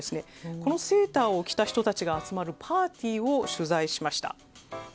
このセーターを着た人たちが集まるパーティーを取材しました。